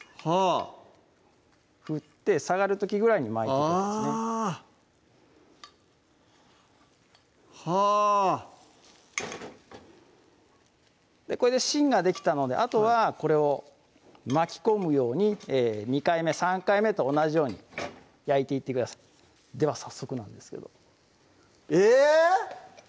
はぁ振って下がる時ぐらいに巻いてあぁはぁこれで芯ができたのであとはこれを巻き込むように２回目３回目と同じように焼いていってくださいでは早速なんですけどえぇ！